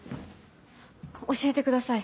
教えてください。